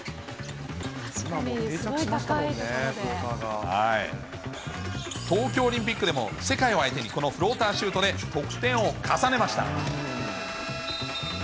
確かに、東京オリンピックでも世界を相手に、このフローターシュートで得点を重ねました。